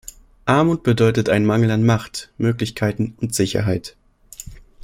Armut bedeutet einen Mangel an Macht, Möglichkeiten und Sicherheit.